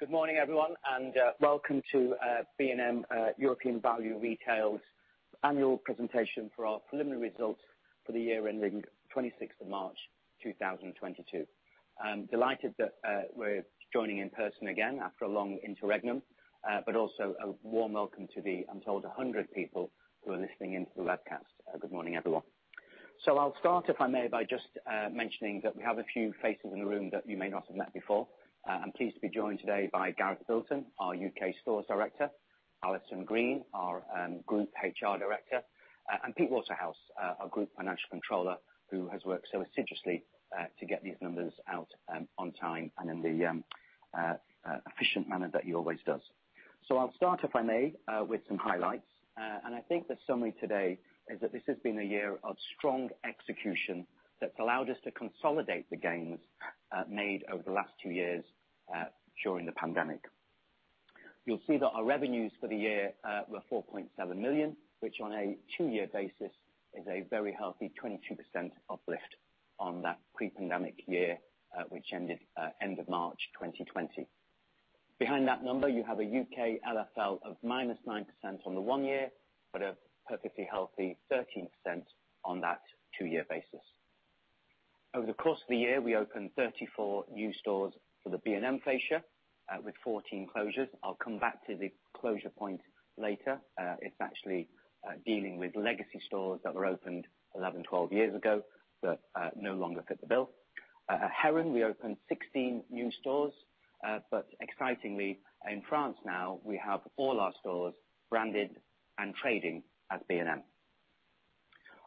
Good morning, everyone, and, welcome to B&M European Value Retail's annual presentation for our preliminary results for the year ending 26th of March, 2022. I'm delighted that, we're joining in person again after a long interregnum, but also a warm welcome to the, I'm told, 100 people who are listening in to the webcast. Good morning, everyone. I'll start, if I may, by just, mentioning that we have a few faces in the room that you may not have met before. I'm pleased to be joined today by Gareth Bilton, our UK Stores Director, Allison Green, our, Group HR Director, and Pete Waterhouse, our Group Financial Controller, who has worked so assiduously, to get these numbers out, on time and in the, efficient manner that he always does. I'll start, if I may, with some highlights, and I think the summary today is that this has been a year of strong execution that's allowed us to consolidate the gains made over the last two years during the pandemic. You'll see that our revenues for the year were 4.7 million, which on a two-year basis is a very healthy 22% uplift on that pre-pandemic year, which ended end of March 2020. Behind that number, you have a UK LFL of -9% on the one year, but a perfectly healthy 13% on that two-year basis. Over the course of the year, we opened 34 new stores for the B&M fascia with 14 closures. I'll come back to the closure point later. It's actually dealing with legacy stores that were opened 11, 12 years ago, that no longer fit the bill. At Heron, we opened 16 new stores, but excitingly, in France now, we have all our stores branded and trading as B&M.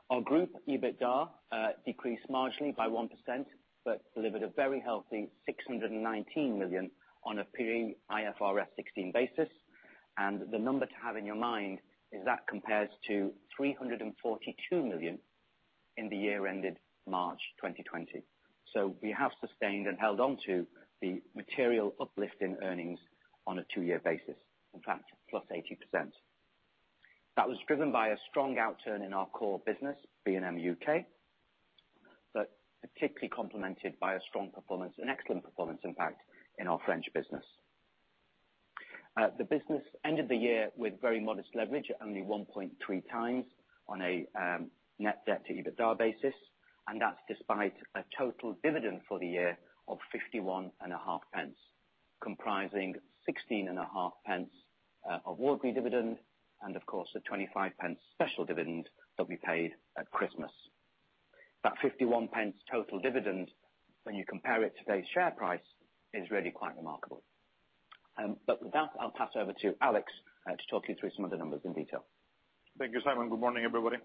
Our group EBITDA decreased marginally by 1%, but delivered a very healthy 619 million on a pre-IFRS 16 basis. The number to have in your mind is that compares to 342 million in the year ended March 2020. We have sustained and held on to the material uplift in earnings on a two-year basis, in fact, +80%. That was driven by a strong outturn in our core business, B&M UK, but particularly complemented by a strong performance, an excellent performance impact in our French business. The business ended the year with very modest leverage at only 1.3 times on a net debt to EBITDA basis, and that's despite a total dividend for the year of 0.515, comprising 16.5 pence of ordinary dividend, and of course, the 0.25 special dividend that we paid at Christmas. That 51 pence total dividend, when you compare it to today's share price, is really quite remarkable. With that, I'll pass over to Alex to talk you through some of the numbers in detail. Thank you, Simon. Good morning, everybody.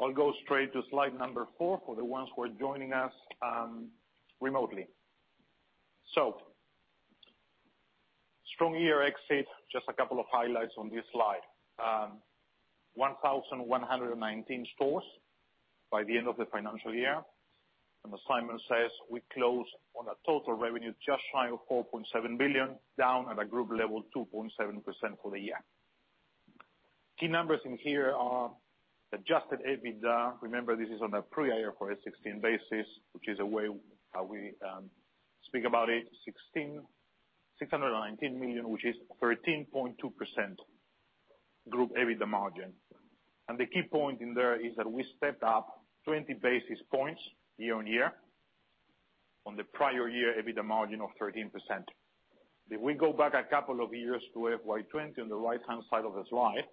I'll go straight to slide number four for the ones who are joining us remotely. Strong year-end, just a couple of highlights on this slide. 1,119 stores by the end of the financial year. As Simon says, we closed on a total revenue just shy of £4.7 billion, down at a group level 2.7% for the year. Key numbers in here are adjusted EBITDA. Remember, this is on a pre-IFRS 16 basis, which is a way how we speak about it. £619 million, which is 13.2% group EBITDA margin. The key point in there is that we stepped up 20 basis points year-over-year on the prior year EBITDA margin of 13%. If we go back a couple of years to FY 2020 on the right-hand side of the slide,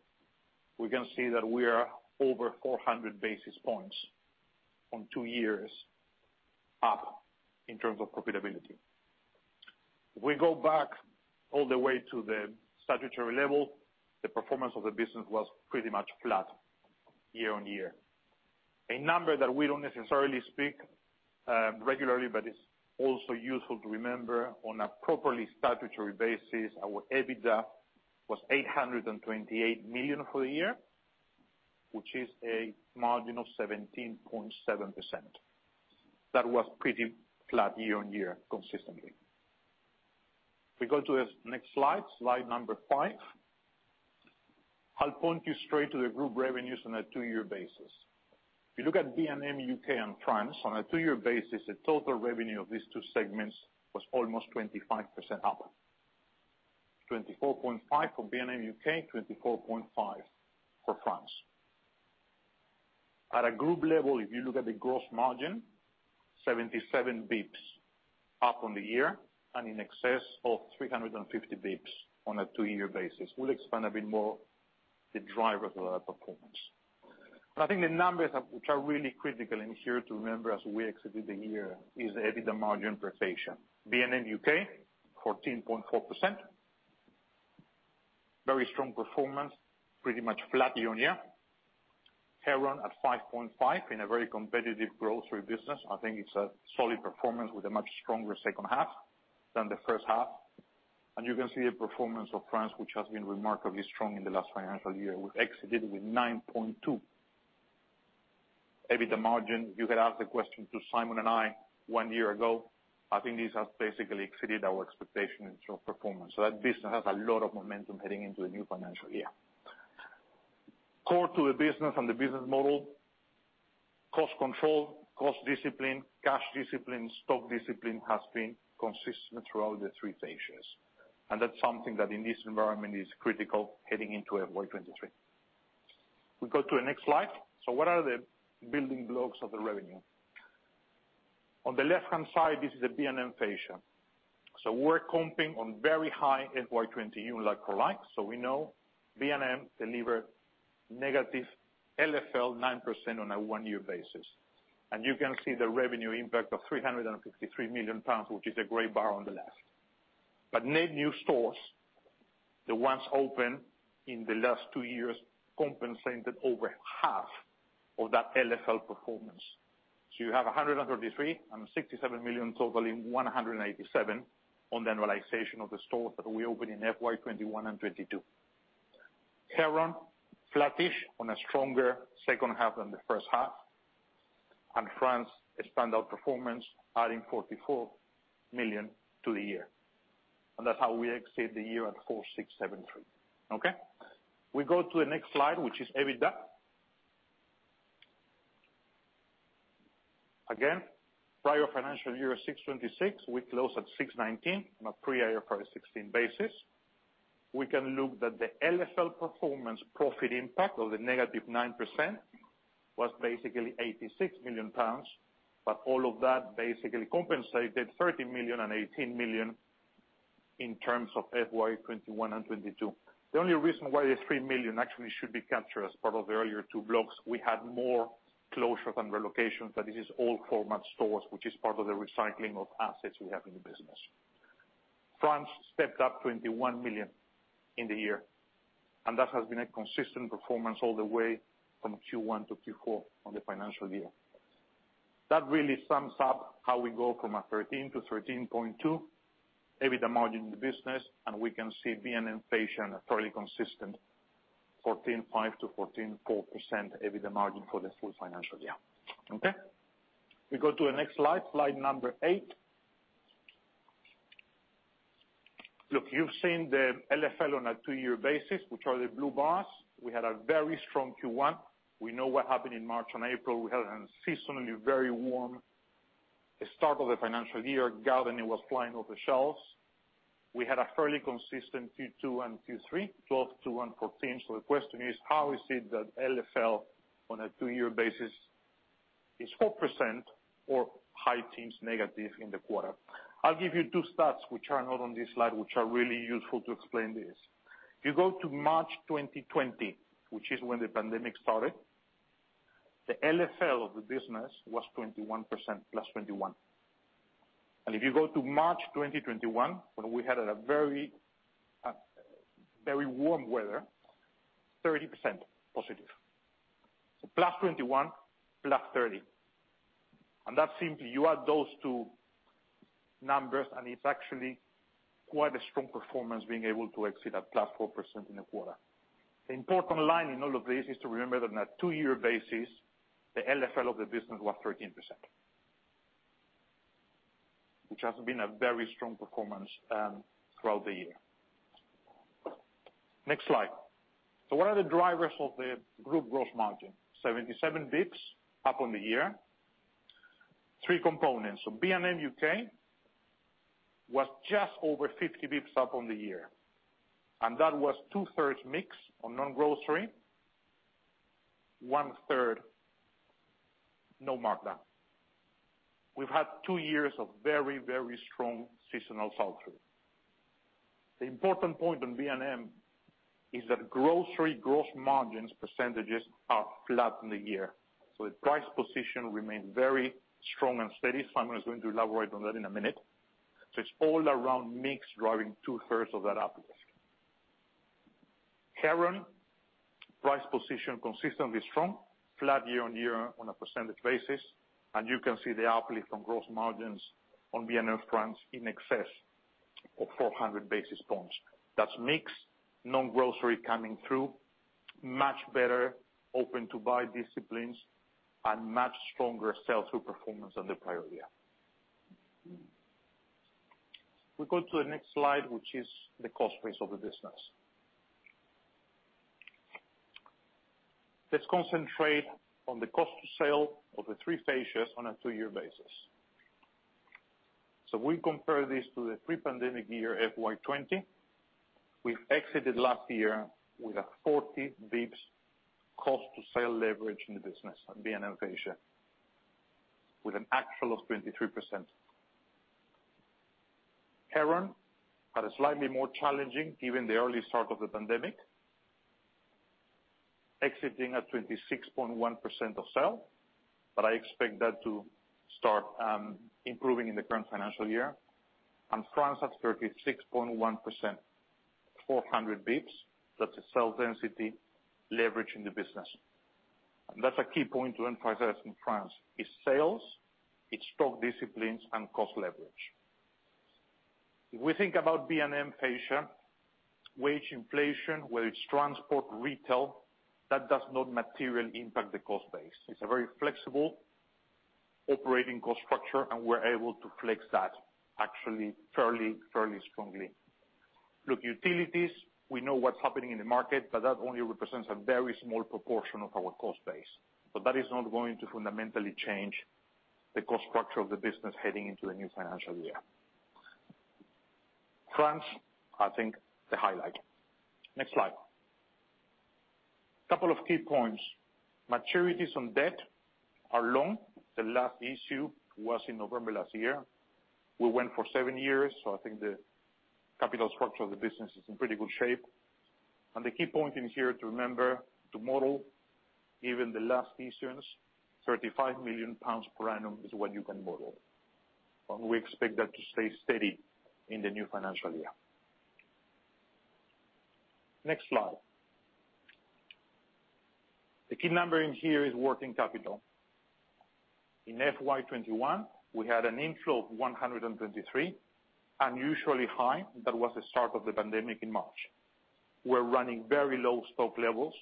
we can see that we are over 400 basis points on two years up in terms of profitability. If we go back all the way to the statutory level, the performance of the business was pretty much flat year on year. A number that we don't necessarily speak regularly, but it's also useful to remember on a properly statutory basis, our EBITDA was 828 million for the year, which is a margin of 17.7%. That was pretty flat year on year consistently. If we go to the next slide five, I'll point you straight to the group revenues on a two-year basis. If you look at B&M UK and France, on a two-year basis, the total revenue of these two segments was almost 25% up. 24.5% for B&M UK, 24.5% for France. At a group level, if you look at the gross margin, 77 basis points up on the year and in excess of 350 basis points on a two-year basis. We'll expand a bit more the drivers of that performance. I think the numbers which are really critical in here to remember as we exited the year is the EBITDA margin per fascia. B&M UK, 14.4%. Very strong performance, pretty much flat year-on-year. Heron at 5.5% in a very competitive grocery business. I think it's a solid performance with a much stronger second half than the first half. You can see the performance of France, which has been remarkably strong in the last financial year. We've exited with 9.2% EBITDA margin. You could ask the question to Simon and I one year ago, I think these have basically exceeded our expectation in terms of performance. That business has a lot of momentum heading into a new financial year. Core to the business and the business model, cost control, cost discipline, cash discipline, stock discipline has been consistent throughout the three phases. That's something that in this environment is critical heading into FY 2023. We go to the next slide. What are the building blocks of the revenue? On the left-hand side, this is the B&M fascia. We're comping on very high FY 2020 like for like. We know B&M delivered negative LFL 9% on a one-year basis. You can see the revenue impact of 353 million pounds, which is a gray bar on the left. Net new stores, the ones open in the last two years, compensated over half of that LFL performance. You have 133 million and 67 million, totaling 187 million on the annualization of the stores that we opened in FY 2021 and FY 2022. Heron, flattish on a stronger second half than the first half. France, a standout performance, adding 44 million to the year. That's how we ended the year at 4,673 million. Okay? We go to the next slide, which is EBITDA. Again, prior financial year, 626, we closed at 619 on a pre-IFRS 16 basis. We can look at the LFL performance profit impact of the -9% was basically 86 million pounds. All of that basically compensated 30 million and 18 million in terms of FY 2021 and FY 2022. The only reason why the 3 million actually should be captured as part of the earlier two blocks, we had more closures and relocations, but this is all fascia stores, which is part of the recycling of assets we have in the business. France stepped up 21 million in the year, and that has been a consistent performance all the way from Q1 to Q4 on the financial year. That really sums up how we go from a 13%-13.2% EBITDA margin in the business. We can see B&M fascia fairly consistent, 14.5%-14.4% EBITDA margin for the full financial year. Okay? We go to the next slide number eight. Look, you've seen the LFL on a two-year basis, which are the blue bars. We had a very strong Q1. We know what happened in March and April. We had a seasonally very warm start of the financial year. Gardening was flying off the shelves. We had a fairly consistent Q2 and Q3, 12%-14%. The question is, how is it that LFL on a two-year basis is 4% or high teens negative in the quarter? I'll give you two stats, which are not on this slide, which are really useful to explain this. If you go to March 2020, which is when the pandemic started, the LFL of the business was 21%, +21. If you go to March 2021, when we had a very, very warm weather, 30% positive. So +21, +30. That's simply you add those two numbers, and it's actually quite a strong performance being able to exceed that +4% in the quarter. The important line in all of this is to remember that on a two-year basis, the LFL of the business was 13%, which has been a very strong performance throughout the year. Next slide. What are the drivers of the group gross margin? 77 basis points up on the year. Three components. B&M UK was just over 50 basis points up on the year, and that was two-thirds mix on non-grocery, one-third no markdown. We've had two years of very, very strong seasonal sell-through. The important point on B&M is that grocery gross margins percentages are flat on the year. The price position remains very strong and steady. Simon is going to elaborate on that in a minute. It's all around mix driving two-thirds of that uplift. Heron, price position consistently strong, flat year on year on a percentage basis. You can see the uplift on gross margins on B&M France in excess of 400 basis points. That's mix, non-grocery coming through, much better open-to-buy disciplines and much stronger sell-through performance than the prior year. We go to the next slide, which is the cost base of the business. Let's concentrate on the cost to sell of the three fascias on a two-year basis. We compare this to the pre-pandemic year, FY 2020. We exited last year with a 40 basis points cost to sell leverage in the business on B&M fascia, with an actual of 23%. Heron had it slightly more challenging, given the early start of the pandemic, exiting at 26.1% of sales, but I expect that to start improving in the current financial year. France at 36.1%, 400 basis points. That's a sales density leverage in the business. That's a key point to emphasize in France. It's sales, it's stock disciplines, and cost leverage. If we think about B&M fascia, wage inflation, whether it's transport, retail, that does not materially impact the cost base. It's a very flexible operating cost structure, and we're able to flex that actually fairly strongly. Look, utilities, we know what's happening in the market, but that only represents a very small proportion of our cost base. But that is not going to fundamentally change the cost structure of the business heading into a new financial year. France, I think the highlight. Next slide. Couple of key points. Maturities on debt are long. The last issue was in November last year. We went for seven years, so I think the capital structure of the business is in pretty good shape. The key point in here to remember to model even the last issuance, 35 million pounds per annum is what you can model. We expect that to stay steady in the new financial year. Next slide. The key number in here is working capital. In FY 2021, we had an inflow of 123 million, unusually high. That was the start of the pandemic in March. We're running very low stock levels,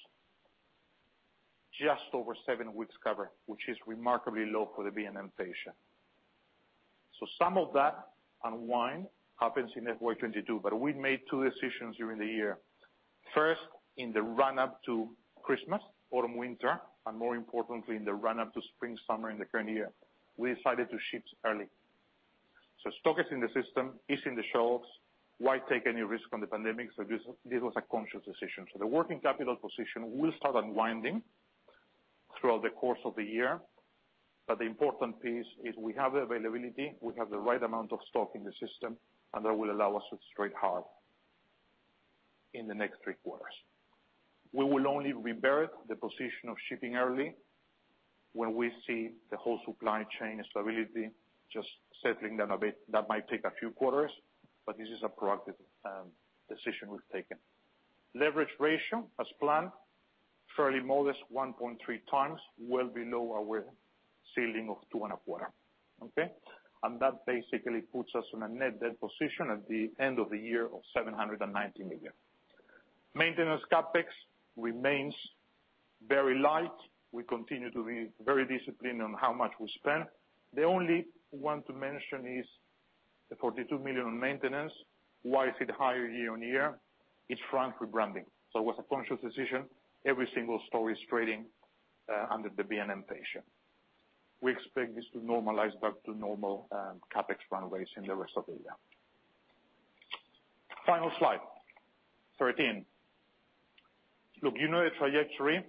just over seven weeks cover, which is remarkably low for the B&M pattern. Some of that unwind happens in FY22, but we made two decisions during the year. First, in the run-up to Christmas, autumn, winter, and more importantly, in the run-up to spring, summer in the current year, we decided to ship early. Stock is in the system, it's in the shelves. Why take any risk on the pandemic? This was a conscious decision. The working capital position will start unwinding throughout the course of the year. The important piece is we have the availability, we have the right amount of stock in the system, and that will allow us to trade hard in the next three quarters. We will only revert the position of shipping early when we see the whole supply chain stability just settling down a bit. That might take a few quarters, but this is a proactive decision we've taken. Leverage ratio, as planned, fairly modest 1.3 times, well below our ceiling of 2.25, okay. That basically puts us in a net debt position at the end of the year of 790 million. Maintenance CapEx remains very light. We continue to be very disciplined on how much we spend. The only one to mention is the 42 million on maintenance. Why is it higher year-on-year? It's France rebranding. It was a conscious decision. Every single store is trading under the B&M fascia. We expect this to normalize back to normal CapEx run rates in the rest of the year. Final slide, 13. Look, you know the trajectory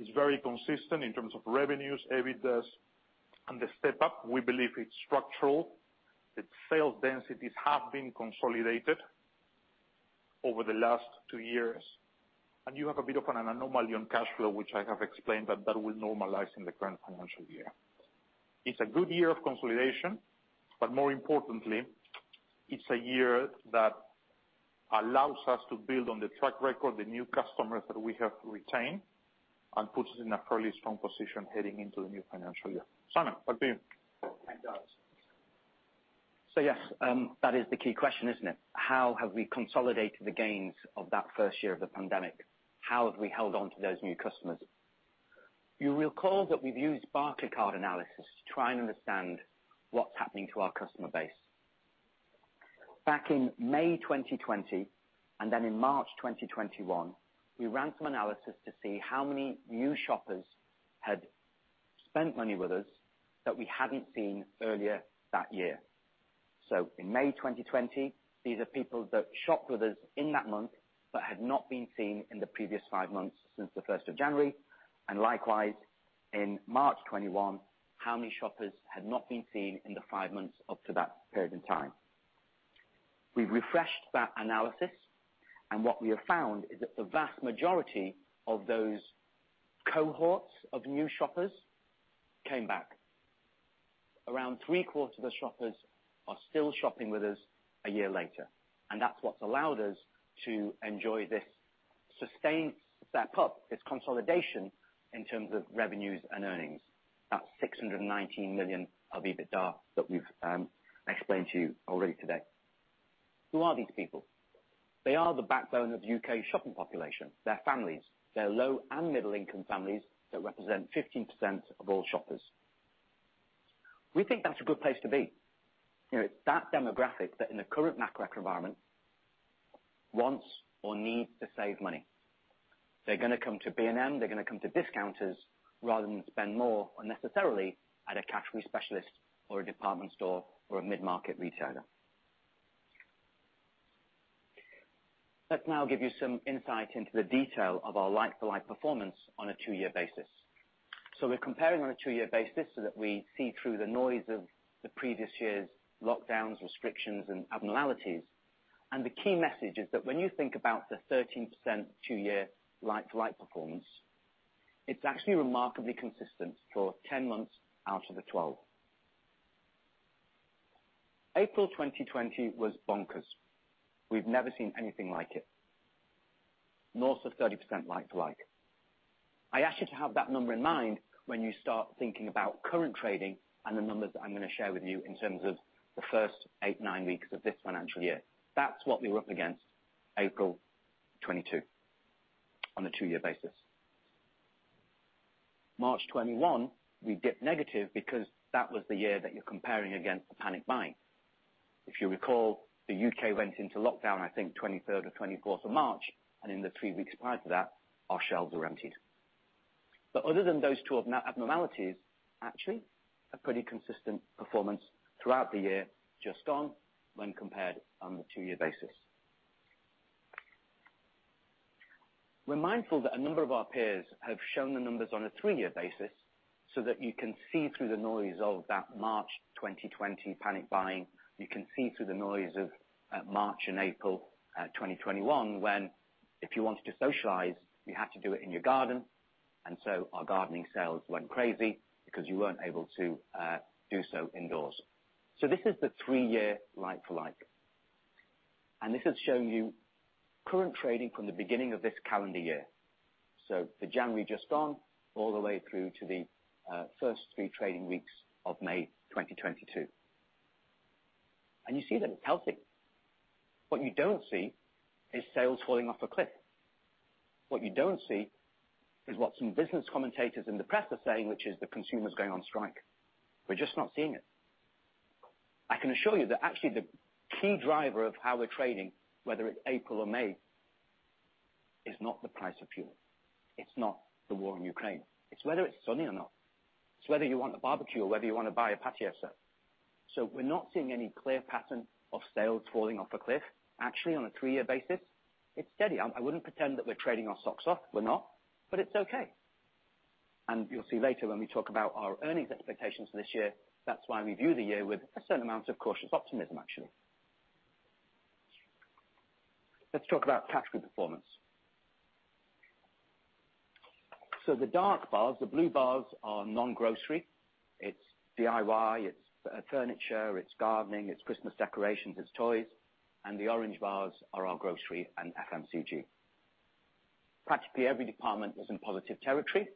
is very consistent in terms of revenues, EBITDAs and the step up. We believe it's structural. The sales densities have been consolidated over the last two years. You have a bit of an anomaly on cash flow, which I have explained that will normalize in the current financial year. It's a good year of consolidation, but more importantly, it's a year that allows us to build on the track record the new customers that we have retained and puts us in a fairly strong position heading into the new financial year. Simon, back to you. Thanks, Alex. Yes, that is the key question, isn't it? How have we consolidated the gains of that first year of the pandemic? How have we held on to those new customers? You will recall that we've used basket card analysis to try and understand what's happening to our customer base. Back in May 2020, and then in March 2021, we ran some analysis to see how many new shoppers had spent money with us that we hadn't seen earlier that year. In May 2020, these are people that shopped with us in that month, but had not been seen in the previous five months since the first of January. Likewise, in March 2021, how many shoppers had not been seen in the five months up to that period in time. We've refreshed that analysis, and what we have found is that the vast majority of those cohorts of new shoppers came back. Around three-quarters of the shoppers are still shopping with us a year later, and that's what's allowed us to enjoy this sustained step up, this consolidation in terms of revenues and earnings. That 619 million of EBITDA that we've explained to you already today. Who are these people? They are the backbone of the U.K. shopping population, their families, their low and middle-income families that represent 15% of all shoppers. We think that's a good place to be. You know, it's that demographic that in the current macro environment wants or needs to save money. They're gonna come to B&M, they're gonna come to discounters rather than spend more unnecessarily at a category specialist or a department store or a mid-market retailer. Let's now give you some insight into the detail of our like-for-like performance on a two-year basis. We're comparing on a two-year basis so that we see through the noise of the previous year's lockdowns, restrictions, and abnormalities. The key message is that when you think about the 13% two-year like-for-like performance, it's actually remarkably consistent for 10 months out of the 12. April 2020 was bonkers. We've never seen anything like it, north of 30% like to like. I ask you to have that number in mind when you start thinking about current trading and the numbers that I'm going to share with you in terms of the first eight, nine weeks of this financial year. That's what we're up against April 2022. On a two-year basis. March 2021, we dipped negative because that was the year that you're comparing against the panic buying. If you recall, the UK went into lockdown, I think 23rd or 24th of March, and in the three weeks prior to that, our shelves were emptied. Other than those two abnormalities, actually, a pretty consistent performance throughout the year just gone when compared on the two-year basis. We're mindful that a number of our peers have shown the numbers on a three-year basis so that you can see through the noise of that March 2020 panic buying. You can see through the noise of March and April 2021, when, if you wanted to socialize, you had to do it in your garden. Our gardening sales went crazy because you weren't able to do so indoors. This is the three-year like-for-like. This is showing you current trading from the beginning of this calendar year. The January just gone all the way through to the first three trading weeks of May 2022. You see that it's healthy. What you don't see is sales falling off a cliff. What you don't see is what some business commentators in the press are saying, which is the consumer's going on strike. We're just not seeing it. I can assure you that actually the key driver of how we're trading, whether it's April or May, is not the price of fuel. It's not the war in Ukraine. It's whether it's sunny or not. It's whether you want a barbecue or whether you want to buy a patio set. We're not seeing any clear pattern of sales falling off a cliff. Actually, on a three-year basis, it's steady. I wouldn't pretend that we're trading our socks off. We're not, but it's okay. You'll see later when we talk about our earnings expectations for this year, that's why we view the year with a certain amount of cautious optimism, actually. Let's talk about category performance. The dark bars, the blue bars are non-grocery. It's DIY, it's furniture, it's gardening, it's Christmas decorations, it's toys, and the orange bars are our grocery and FMCG. Practically every department is in positive territory.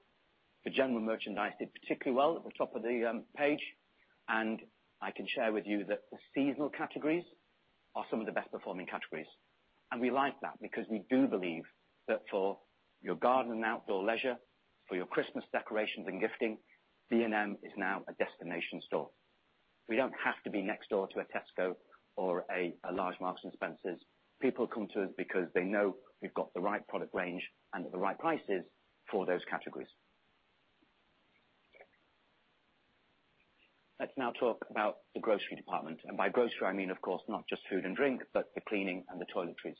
The general merchandise did particularly well at the top of the page. I can share with you that the seasonal categories are some of the best performing categories. We like that because we do believe that for your garden and outdoor leisure, for your Christmas decorations and gifting, B&M is now a destination store. We don't have to be next door to a Tesco or a large Marks & Spencer. People come to us because they know we've got the right product range and at the right prices for those categories. Let's now talk about the grocery department. By grocery, I mean, of course, not just food and drink, but the cleaning and the toiletries.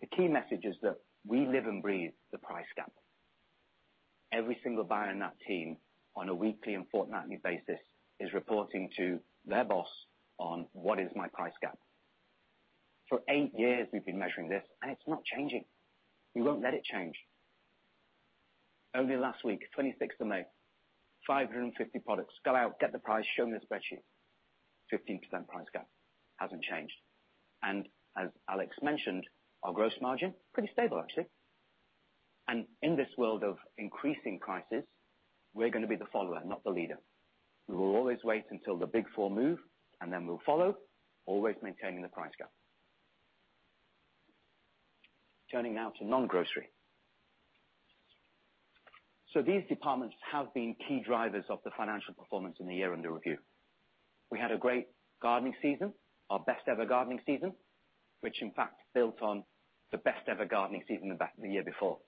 The key message is that we live and breathe the price gap. Every single buyer in that team, on a weekly and fortnightly basis, is reporting to their boss on what is my price gap. For eight years, we've been measuring this, and it's not changing. We won't let it change. Only last week, 26th of May, 550 products go out, get the price, show me the spreadsheet. 15% price gap. Hasn't changed. As Alex mentioned, our gross margin, pretty stable actually. In this world of increasing prices, we're gonna be the follower, not the leader. We will always wait until the Big Four move, and then we'll follow, always maintaining the price gap. Turning now to non-grocery. These departments have been key drivers of the financial performance in the year under review. We had a great gardening season, our best ever gardening season, which in fact built on the best ever gardening season the year before.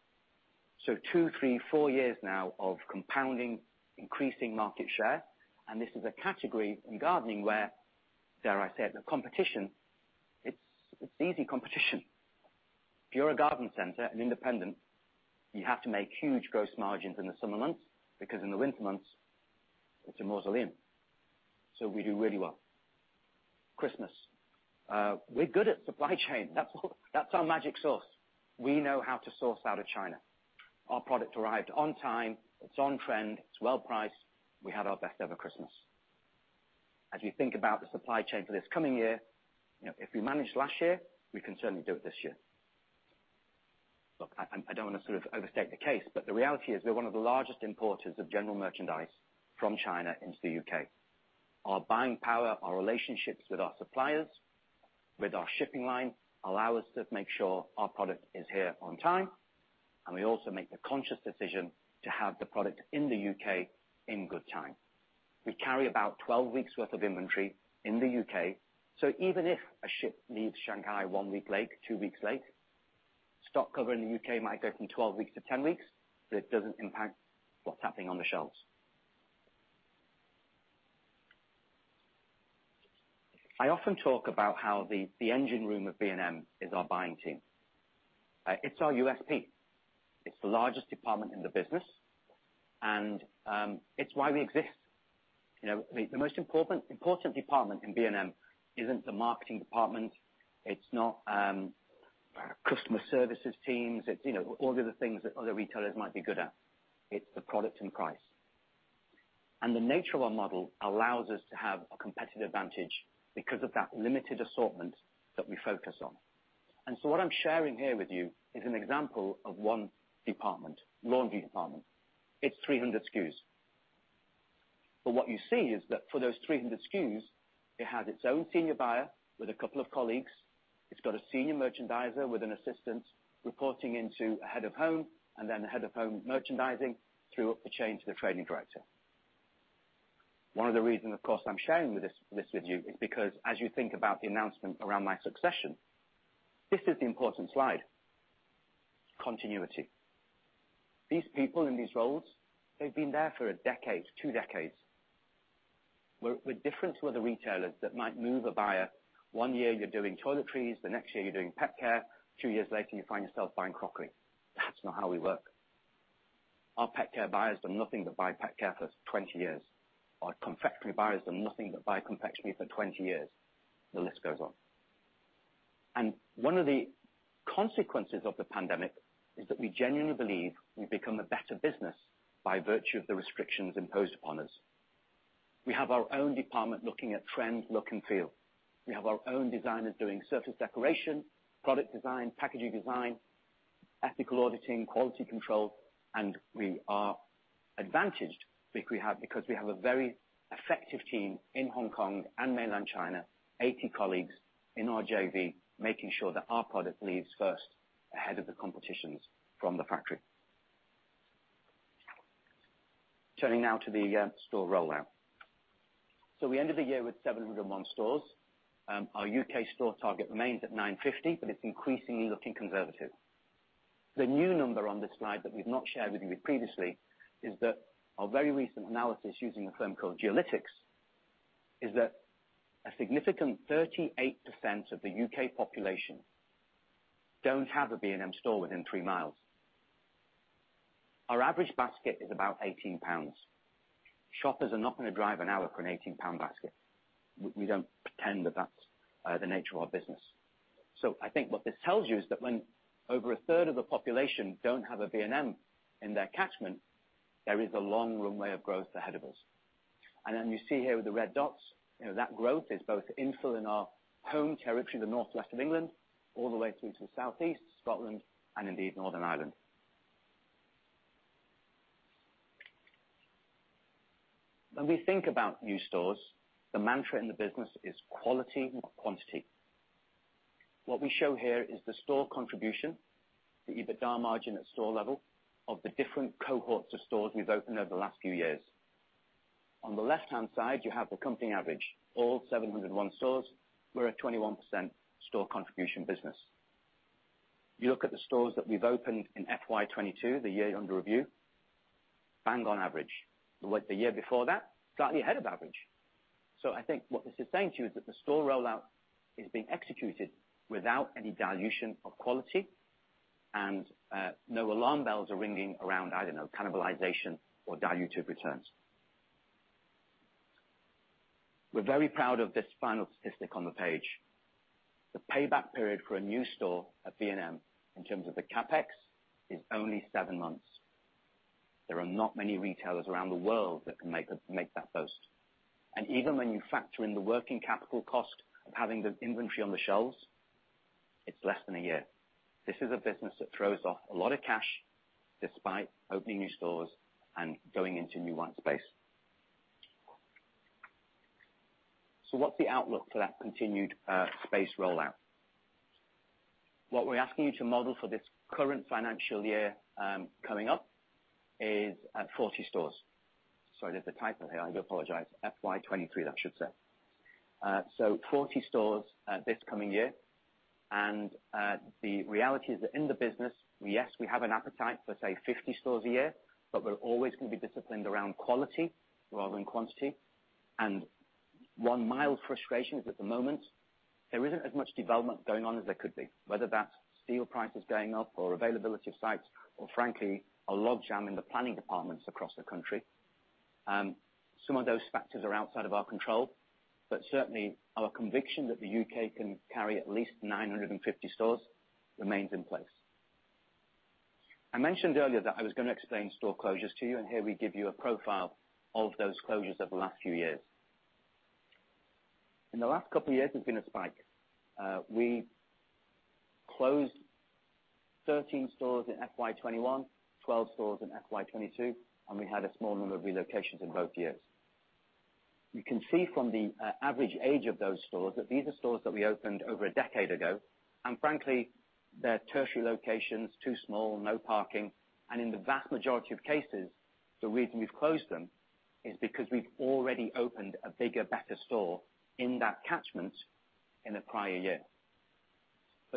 Two, three, four years now of compounding, increasing market share, and this is a category in gardening where, dare I say it, the competition, it's easy competition. If you're a garden center, an independent, you have to make huge gross margins in the summer months because in the winter months it's a mausoleum. We do really well. Christmas. We're good at supply chain. That's our magic sauce. We know how to source out of China. Our product arrived on time. It's on trend. It's well priced. We had our best ever Christmas. As you think about the supply chain for this coming year, you know, if we managed last year, we can certainly do it this year. Look, I don't wanna sort of overstate the case, but the reality is we're one of the largest importers of general merchandise from China into the UK. Our buying power, our relationships with our suppliers, with our shipping line, allow us to make sure our product is here on time, and we also make the conscious decision to have the product in the UK in good time. We carry about 12 weeks worth of inventory in the UK, so even if a ship leaves Shanghai one week late, two weeks late, stock cover in the UK might go from 12 weeks to 10 weeks, but it doesn't impact what's happening on the shelves. I often talk about how the engine room of B&M is our buying team. It's our USP. It's the largest department in the business, and it's why we exist. You know, I mean, the most important department in B&M isn't the marketing department. It's not customer services teams. It's, you know, all of the things that other retailers might be good at. It's the product and price. The nature of our model allows us to have a competitive advantage because of that limited assortment that we focus on. What I'm sharing here with you is an example of one department, laundry department. It's 300 SKUs. But what you see is that for those 300 SKUs, it has its own senior buyer with a couple of colleagues. It's got a senior merchandiser with an assistant, reporting into a head of home, and then the head of home merchandising through up the chain to the trading director. One of the reasons, of course, I'm sharing this with you is because as you think about the announcement around my succession, this is the important slide. Continuity. These people in these roles, they've been there for a decade, two decades. We're different to other retailers that might move a buyer. One year you're doing toiletries, the next year you're doing pet care. Two years later, you find yourself buying crockery. That's not how we work. Our pet care buyers have done nothing but buy pet care for 20 years. Our confectionery buyers have done nothing but buy confectionery for 20 years. The list goes on. One of the consequences of the pandemic is that we genuinely believe we've become a better business by virtue of the restrictions imposed upon us. We have our own department looking at trend, look, and feel. We have our own designers doing surface decoration, product design, packaging design, ethical auditing, quality control, and we are advantaged because we have a very effective team in Hong Kong and Mainland China, 80 colleagues in our JV, making sure that our product leaves first ahead of the competition's from the factory. Turning now to the store rollout. We ended the year with 701 stores. Our UK store target remains at 950, but it's increasingly looking conservative. The new number on this slide that we've not shared with you previously is that our very recent analysis using a firm called Geolytix is that a significant 38% of the UK population don't have a B&M store within three miles. Our average basket is about 18 pounds. Shoppers are not going to drive an hour for a 18 pound basket. We don't pretend that that's the nature of our business. I think what this tells you is that when over a third of the population don't have a B&M in their catchment, there is a long runway of growth ahead of us. You see here with the red dots, you know, that growth is both infill in our home territory, the North West of England, all the way through to the South East, Scotland, and indeed Northern Ireland. When we think about new stores, the mantra in the business is quality, not quantity. What we show here is the store contribution, the EBITDA margin at store level of the different cohorts of stores we've opened over the last few years. On the left-hand side, you have the company average, all 701 stores were a 21% store contribution business. You look at the stores that we've opened in FY 2022, the year under review, bang on average. The year before that, slightly ahead of average. I think what this is saying to you is that the store rollout is being executed without any dilution of quality and no alarm bells are ringing around, I don't know, cannibalization or dilutive returns. We're very proud of this final statistic on the page. The payback period for a new store at B&M in terms of the CapEx is only seven months. There are not many retailers around the world that can make that boast. Even when you factor in the working capital cost of having the inventory on the shelves, it's less than a year. This is a business that throws off a lot of cash despite opening new stores and going into new white space. What's the outlook for that continued space rollout? What we're asking you to model for this current financial year coming up is 40 stores. Sorry, there's a typo here. I do apologize. FY 2023, that should say. Forty stores this coming year. The reality is that in the business, yes, we have an appetite for, say, 50 stores a year, but we're always going to be disciplined around quality rather than quantity. One mild frustration is at the moment, there isn't as much development going on as there could be, whether that's steel prices going up or availability of sites or frankly, a log jam in the planning departments across the country. Some of those factors are outside of our control, but certainly, our conviction that the UK can carry at least 950 stores remains in place. I mentioned earlier that I was gonna explain store closures to you, and here we give you a profile of those closures over the last few years. In the last couple of years, there's been a spike. We closed 13 stores in FY 2021, 12 stores in FY 2022, and we had a small number of relocations in both years. You can see from the average age of those stores that these are stores that we opened over a decade ago, and frankly, they're tertiary locations, too small, no parking. In the vast majority of cases, the reason we've closed them is because we've already opened a bigger, better store in that catchment in the prior year.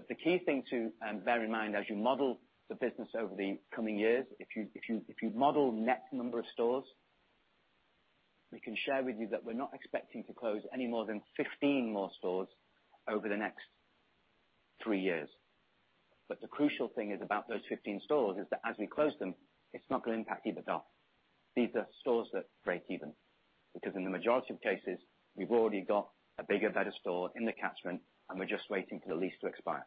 The key thing to bear in mind as you model the business over the coming years, if you model net number of stores, we can share with you that we're not expecting to close any more than 15 more stores over the next three years. The crucial thing is about those 15 stores is that as we close them, it's not gonna impact EBITDA. These are stores that break even because in the majority of cases, we've already got a bigger, better store in the catchment, and we're just waiting for the lease to expire.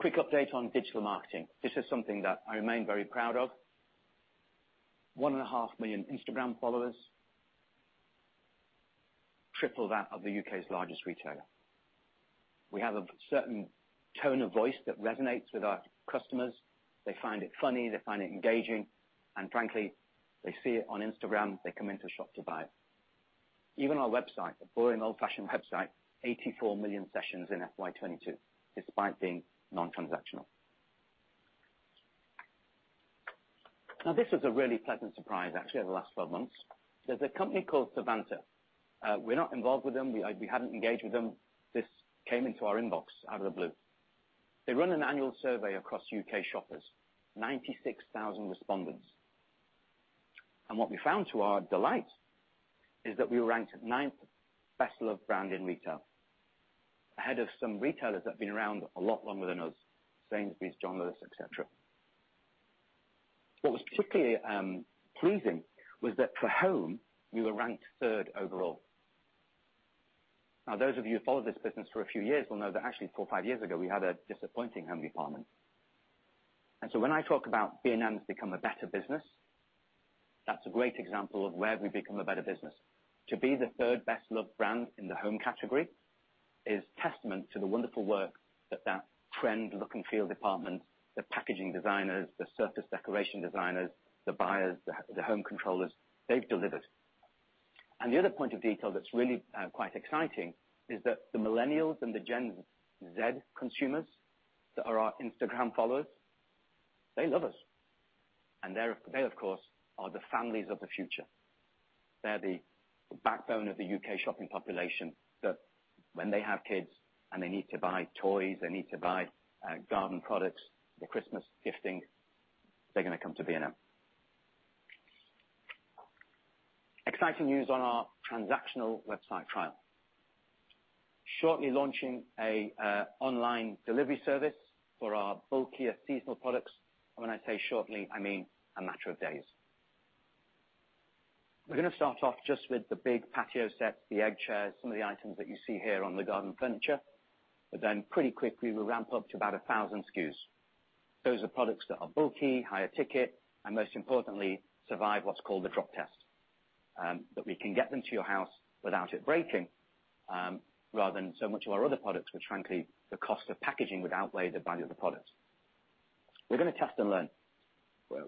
Quick update on digital marketing. This is something that I remain very proud of. 1.5 million Instagram followers. Triple that of the U.K.'s largest retailer. We have a certain tone of voice that resonates with our customers. They find it funny, they find it engaging, and frankly, they see it on Instagram, they come into shop to buy it. Even our website, the boring old-fashioned website, 84 million sessions in FY 2022, despite being non-transactional. Now, this is a really pleasant surprise actually over the last 12 months. There's a company called Savanta. We're not involved with them. We haven't engaged with them. This came into our inbox out of the blue. They run an annual survey across U.K. shoppers, 96,000 respondents. What we found, to our delight, is that we ranked ninth best loved brand in retail, ahead of some retailers that have been around a lot longer than us, Sainsbury's, John Lewis, et cetera. What was particularly pleasing was that for home, we were ranked third overall. Now, those of you who followed this business for a few years will know that actually four, five years ago, we had a disappointing home department. When I talk about B&M has become a better business, that's a great example of where we've become a better business. To be the third best loved brand in the home category is testament to the wonderful work that trend look and feel department, the packaging designers, the surface decoration designers, the buyers, the home controllers, they've delivered. The other point of detail that's really quite exciting is that the millennials and the Gen Z consumers that are our Instagram followers, they love us. They're, of course, the families of the future. They're the backbone of the UK shopping population, that when they have kids and they need to buy toys, they need to buy garden products, the Christmas gifting, they're gonna come to B&M. Exciting news on our transactional website trial. Shortly launching a online delivery service for our bulkier seasonal products. When I say shortly, I mean a matter of days. We're gonna start off just with the big patio sets, the egg chairs, some of the items that you see here on the garden furniture, but then pretty quickly we'll ramp up to about 1,000 SKUs. Those are products that are bulky, higher ticket, and most importantly, survive what's called the drop test, that we can get them to your house without it breaking, rather than so much of our other products, which frankly, the cost of packaging would outweigh the value of the product. We're gonna test and learn.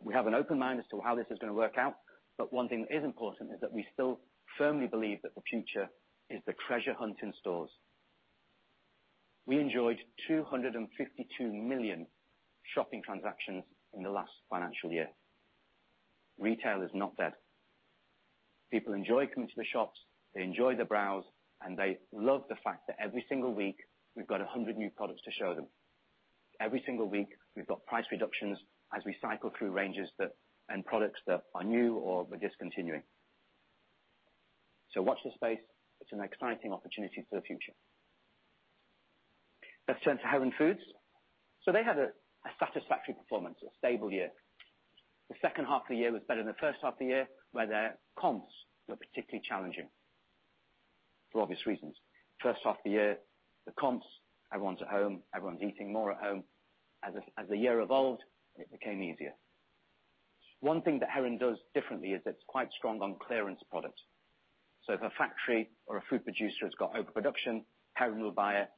We have an open mind as to how this is gonna work out, but one thing that is important is that we still firmly believe that the future is the treasure hunt in stores. We enjoyed 252 million shopping transactions in the last financial year. Retail is not dead. People enjoy coming to the shops, they enjoy the browse, and they love the fact that every single week we've got 100 new products to show them. Every single week we've got price reductions as we cycle through ranges and products that are new or we're discontinuing. Watch this space. It's an exciting opportunity for the future. Let's turn to Heron Foods. They had a satisfactory performance, a stable year. The second half of the year was better than the first half of the year, where their comps were particularly challenging for obvious reasons. First half of the year, the comps, everyone's at home, everyone's eating more at home. As the year evolved, it became easier. One thing that Heron does differently is it's quite strong on clearance products. If a factory or a food producer has got overproduction, Heron will buy it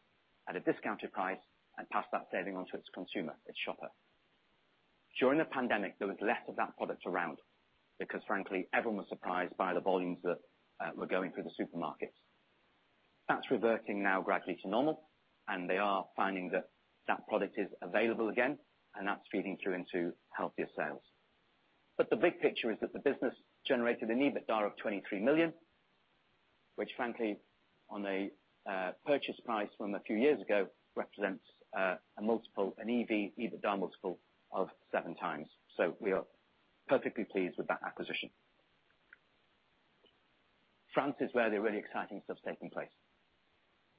at a discounted price and pass that saving on to its consumer, its shopper. During the pandemic, there was less of that product around because frankly, everyone was surprised by the volumes that were going through the supermarkets. That's reverting now gradually to normal, and they are finding that that product is available again, and that's feeding through into healthier sales. The big picture is that the business generated an EBITDA of 23 million, which frankly, on a purchase price from a few years ago, represents a multiple, an EV/EBITDA multiple of seven times. We are perfectly pleased with that acquisition. France is where the really exciting stuff's taking place.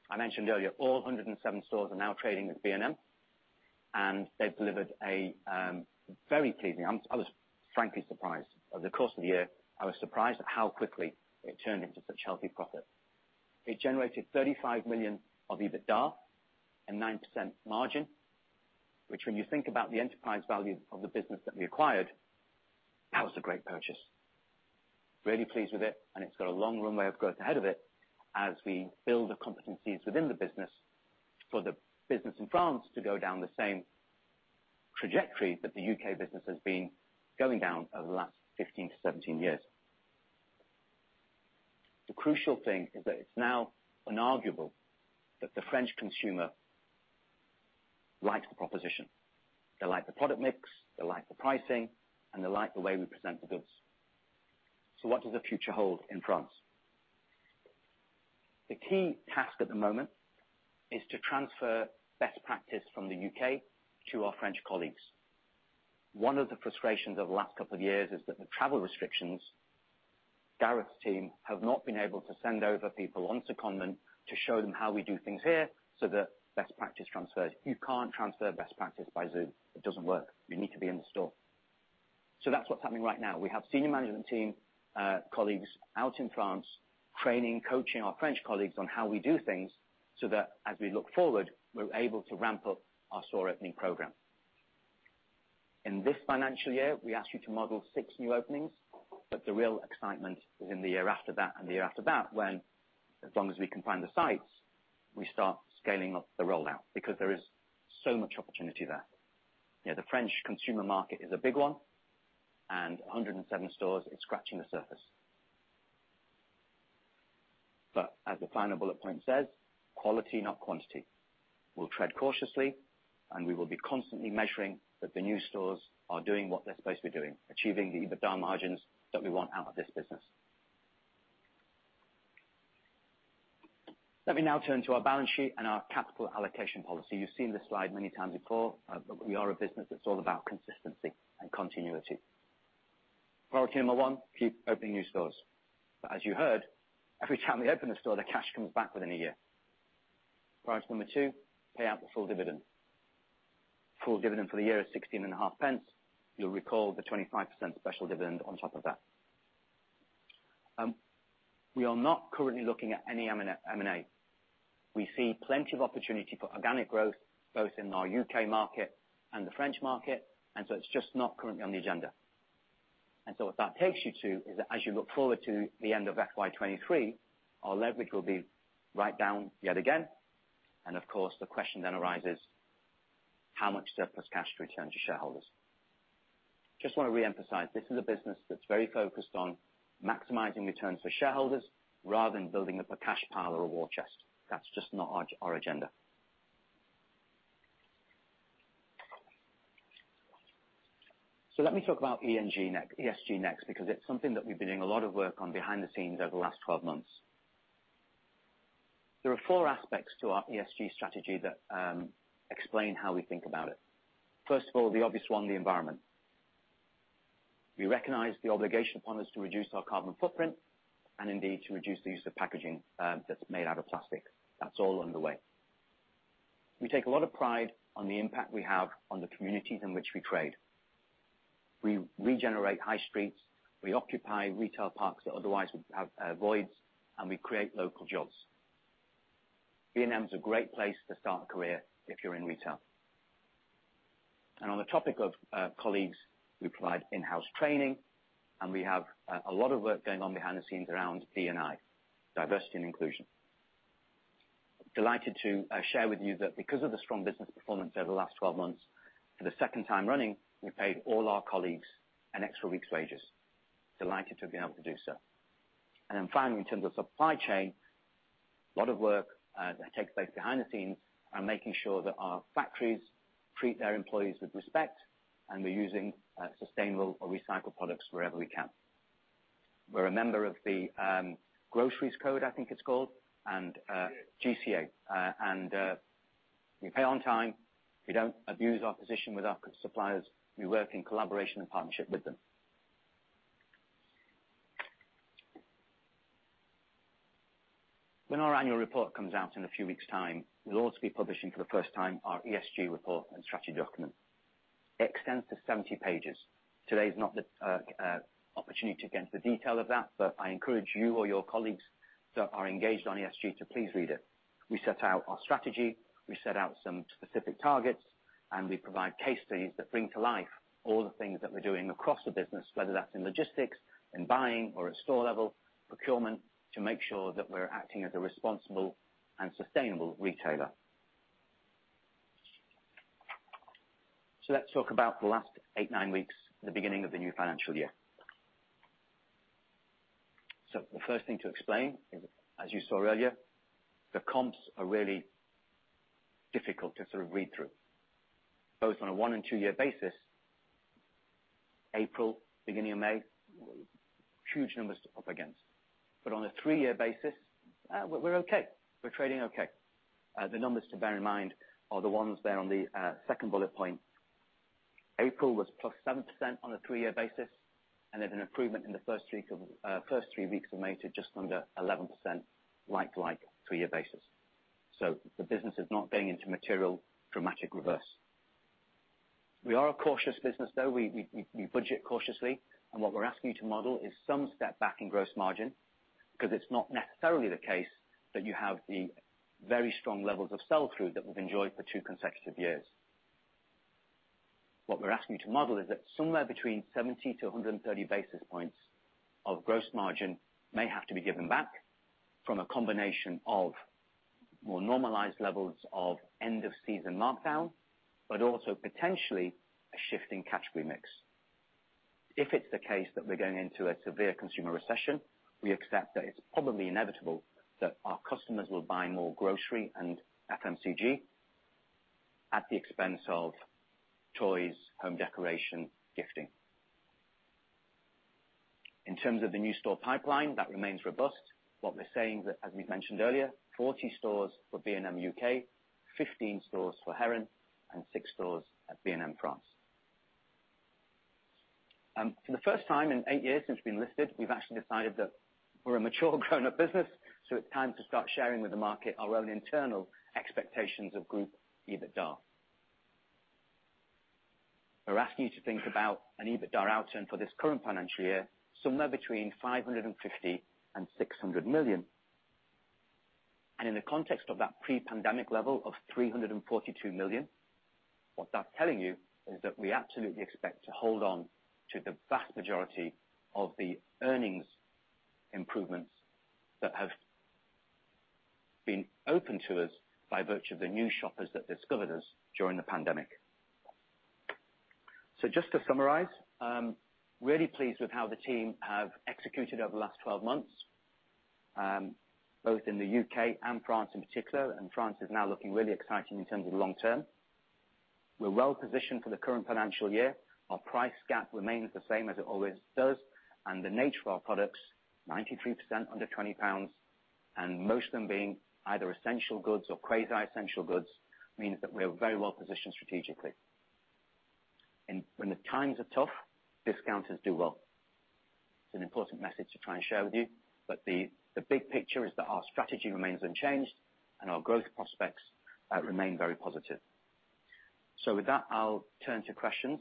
I mentioned earlier, 107 stores are now trading as B&M, and they've delivered a very pleasing. I was frankly surprised. Over the course of the year, I was surprised at how quickly it turned into such healthy profit. It generated 35 million of EBITDA and 9% margin, which when you think about the enterprise value of the business that we acquired, that was a great purchase. Really pleased with it, and it's got a long runway of growth ahead of it as we build the competencies within the business for the business in France to go down the same trajectory that the UK business has been going down over the last 15-17 years. The crucial thing is that it's now inarguable that the French consumer like the proposition. They like the product mix, they like the pricing, and they like the way we present the goods. What does the future hold in France? The key task at the moment is to transfer best practice from the U.K. to our French colleagues. One of the frustrations over the last couple of years is that the travel restrictions, Gareth's team have not been able to send over people on secondment to show them how we do things here so that best practice transfers. You can't transfer best practice by Zoom. It doesn't work. You need to be in the store. That's what's happening right now. We have senior management team, colleagues out in France training, coaching our French colleagues on how we do things so that as we look forward, we're able to ramp up our store opening program. In this financial year, we asked you to model six new openings, but the real excitement is in the year after that and the year after that, when as long as we can find the sites, we start scaling up the rollout, because there is so much opportunity there. You know, the French consumer market is a big one, and 107 stores is scratching the surface. As the final bullet point says, quality, not quantity. We'll tread cautiously, and we will be constantly measuring that the new stores are doing what they're supposed to be doing, achieving the EBITDA margins that we want out of this business. Let me now turn to our balance sheet and our capital allocation policy. You've seen this slide many times before, but we are a business that's all about consistency and continuity. Priority number one, keep opening new stores. As you heard, every time we open a store, the cash comes back within a year. Priority number two, pay out the full dividend. Full dividend for the year is 0.165. You'll recall the 25% special dividend on top of that. We are not currently looking at any M&A. We see plenty of opportunity for organic growth, both in our UK market and the French market, and so it's just not currently on the agenda. What that takes you to is that as you look forward to the end of FY 2023, our leverage will be right down yet again. Of course, the question then arises, how much surplus cash to return to shareholders? Just wanna reemphasize, this is a business that's very focused on maximizing returns for shareholders rather than building up a cash pile or a war chest. That's just not our agenda. Let me talk about ESG next, because it's something that we've been doing a lot of work on behind the scenes over the last 12 months. There are four aspects to our ESG strategy that explain how we think about it. First of all, the obvious one, the environment. We recognize the obligation upon us to reduce our carbon footprint and indeed to reduce the use of packaging, that's made out of plastic. That's all underway. We take a lot of pride on the impact we have on the communities in which we trade. We regenerate high streets, we occupy retail parks that otherwise would have, voids, and we create local jobs. B&M is a great place to start a career if you're in retail. On the topic of colleagues, we provide in-house training, and we have a lot of work going on behind the scenes around D&I, diversity and inclusion. Delighted to share with you that because of the strong business performance over the last 12 months, for the second time running, we paid all our colleagues an extra week's wages. Delighted to have been able to do so. Finally, in terms of supply chain, a lot of work that takes place behind the scenes is making sure that our factories treat their employees with respect, and we're using sustainable or recycled products wherever we can. We're a member of the Groceries Code, I think it's called, and GCA. We pay on time. We don't abuse our position with our suppliers. We work in collaboration and partnership with them. When our annual report comes out in a few weeks' time, we'll also be publishing for the first time our ESG report and strategy document. It extends to 70 pages. Today is not the opportunity to get into the detail of that, but I encourage you or your colleagues that are engaged on ESG to please read it. We set out our strategy, we set out some specific targets, and we provide case studies that bring to life all the things that we're doing across the business, whether that's in logistics, in buying or at store level, procurement, to make sure that we're acting as a responsible and sustainable retailer. Let's talk about the last eight, nine weeks, the beginning of the new financial year. The first thing to explain is, as you saw earlier, the comps are really difficult to sort of read through, both on a one and two-year basis, April, beginning of May, huge numbers to up against. On a three-year basis, we're okay. We're trading okay. The numbers to bear in mind are the ones there on the second bullet point. April was +7% on a three-year basis, and there's an improvement in the first week of first three weeks of May to just under 11% like three-year basis. The business is not going into material dramatic reverse. We are a cautious business though. We budget cautiously, and what we're asking you to model is some step back in gross margin 'cause it's not necessarily the case that you have the very strong levels of sell-through that we've enjoyed for two consecutive years. What we're asking you to model is that somewhere between 70 basis points-130 basis points of gross margin may have to be given back from a combination of more normalized levels of end-of-season markdown, but also potentially a shift in category mix. If it's the case that we're going into a severe consumer recession, we accept that it's probably inevitable that our customers will buy more grocery and FMCG at the expense of toys, home decoration, gifting. In terms of the new store pipeline, that remains robust. What we're saying that, as we've mentioned earlier, 40 stores for B&M UK, 15 stores for Heron, and six stores at B&M France. For the first time in eight years since we've been listed, we've actually decided that we're a mature grown-up business, so it's time to start sharing with the market our own internal expectations of group EBITDA. We're asking you to think about an EBITDA outturn for this current financial year, somewhere between 550 million and 600 million. In the context of that pre-pandemic level of 342 million, what that's telling you is that we absolutely expect to hold on to the vast majority of the earnings improvements that have been open to us by virtue of the new shoppers that discovered us during the pandemic. Just to summarize, really pleased with how the team have executed over the last 12 months, both in the UK and France in particular, and France is now looking really exciting in terms of long term. We're well positioned for the current financial year. Our price gap remains the same as it always does, and the nature of our products, 93% under 20 pounds, and most of them being either essential goods or quasi-essential goods, means that we are very well positioned strategically. When the times are tough, discounters do well. It's an important message to try and share with you, but the big picture is that our strategy remains unchanged and our growth prospects remain very positive. With that, I'll turn to questions.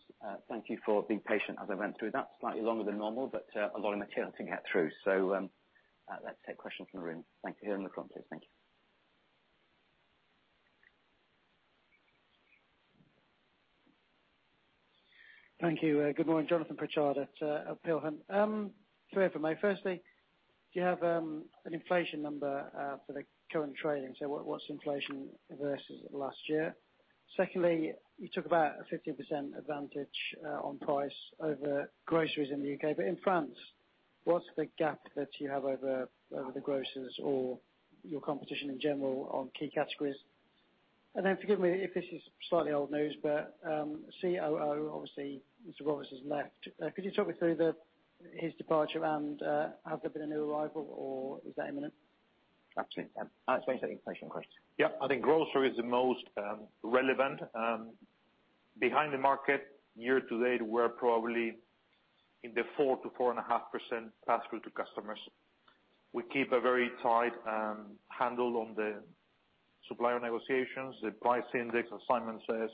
Thank you for being patient as I went through. That's slightly longer than normal, but a lot of material to get through. Let's take questions from the room. Thank you. Here in the front, please. Thank you. Thank you. Good morning. Jonathan Pritchard at Peel Hunt. Three of them. Firstly, do you have an inflation number for the current trading? What's inflation versus last year? Secondly, you talk about a 15% advantage on price over groceries in the UK. In France, what's the gap that you have over the grocers or your competition in general on key categories? Forgive me if this is slightly old news, but COO, obviously, Mr. Roberts has left. Could you talk me through his departure and has there been a new arrival or is that imminent? Absolutely. Alex, explain to the inflation question. Yeah. I think grocery is the most relevant behind the market. Year to date, we're probably in the 4%-4.5% pass through to customers. We keep a very tight handle on the supplier negotiations. The price index, as Simon says,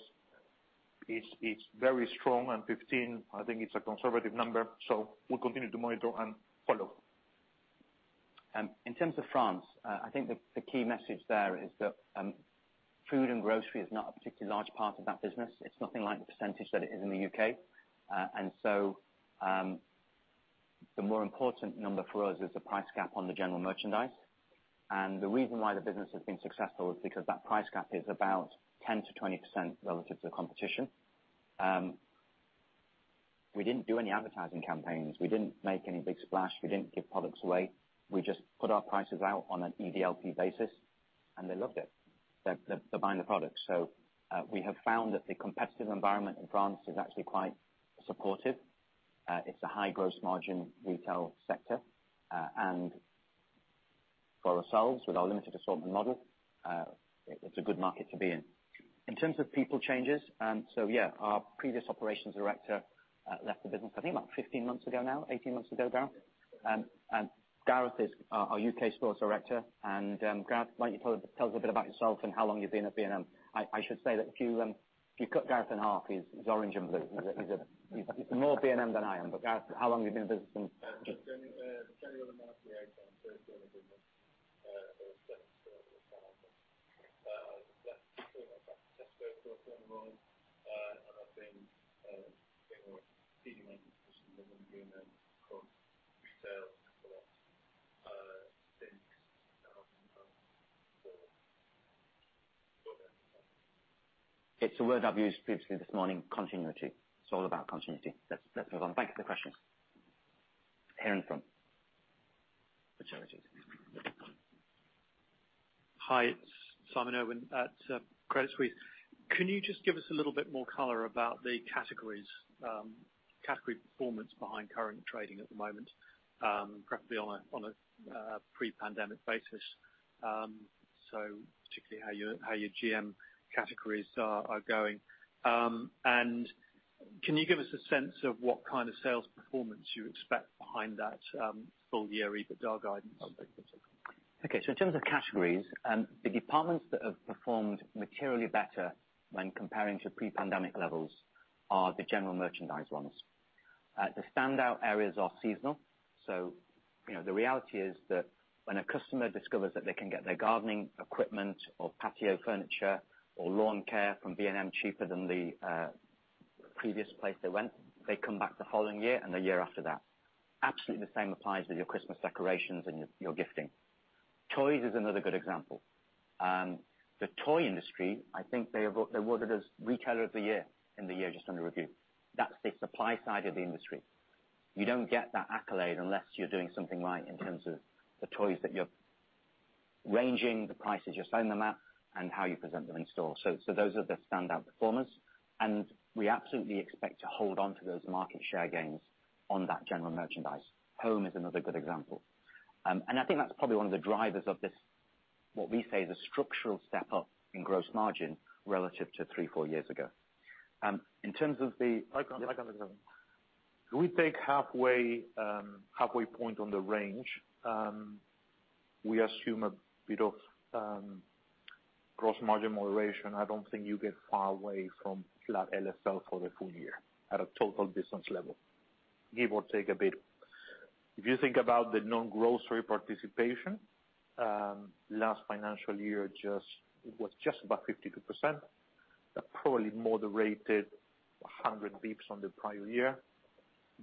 it's very strong and 15%, I think it's a conservative number, so we'll continue to monitor and follow. In terms of France, I think the key message there is that food and grocery is not a particularly large part of that business. It's nothing like the percentage that it is in the UK. The more important number for us is the price gap on the general merchandise. The reason why the business has been successful is because that price gap is about 10%-20% relative to the competition. We didn't do any advertising campaigns. We didn't make any big splash. We didn't give products away. We just put our prices out on an EDLP basis, and they loved it. They're buying the product. We have found that the competitive environment in France is actually quite supportive. It's a high gross margin retail sector, and for ourselves, with our limited assortment model, it's a good market to be in. In terms of people changes, our previous operations director left the business I think about 15 months ago now, 18 months ago, Gareth? Gareth is our UK Stores Director. Gareth, why don't you tell us a bit about yourself and how long you've been at B&M? I should say that if you cut Gareth in half, he's orange and blue. He's more B&M than I am. Gareth, how long you've been in the business and just- January 9th, 2018, I first joined the business. I was director of store then. I left to go back to Tesco for a short role, and I've been with CDL since the beginning of B&M, across retail and catalog, since fall. It's a word I've used previously this morning, continuity. It's all about continuity. Let's move on. Thank you for the question. Here in the front. Which I will do. Hi, it's Simon Irwin at Credit Suisse. Can you just give us a little bit more color about the categories, category performance behind current trading at the moment, preferably on a pre-pandemic basis? Particularly how your GM categories are going. Can you give us a sense of what kind of sales performance you expect behind that full year EBITDA guidance? Okay. In terms of categories, the departments that have performed materially better when comparing to pre-pandemic levels are the general merchandise ones. The standout areas are seasonal. You know, the reality is that when a customer discovers that they can get their gardening equipment or patio furniture or lawn care from B&M cheaper than the previous place they went, they come back the following year and the year after that. Absolutely the same applies with your Christmas decorations and your gifting. Toys is another good example. The toy industry, I think they were awarded as retailer of the year in the year just under review. That's the supply side of the industry. You don't get that accolade unless you're doing something right in terms of the toys that you're ranging, the prices you're selling them at, and how you present them in store. Those are the standout performers, and we absolutely expect to hold on to those market share gains on that general merchandise. Home is another good example. I think that's probably one of the drivers of this, what we say is a structural step up in gross margin relative to three, four years ago. In terms of the- I can jump in. If we take halfway point on the range, we assume a bit of gross margin moderation, I don't think you get far away from flat LFL for the full year at a total business level, give or take a bit. If you think about the non-grocery participation, last financial year it was just about 52%. That probably moderated 100 basis points on the prior year.